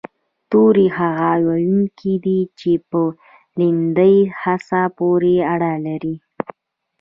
توري هغه يوونونه دي چې په لیدني حس پورې اړه لري